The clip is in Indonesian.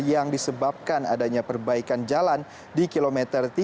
yang disebabkan adanya perbaikan jalan di kilometer tiga puluh